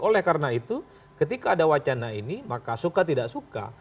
oleh karena itu ketika ada wacana ini maka suka tidak suka